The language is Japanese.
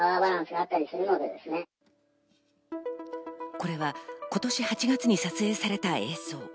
これは今年８月に撮影された映像。